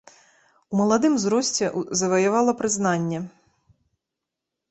У маладым узросце заваявала прызнанне.